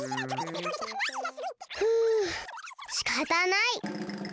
ふうしかたない。